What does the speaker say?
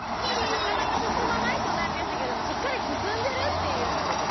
なかなか進まないってお悩みでしたけれどもしっかり進んでるっていうところでしたよ。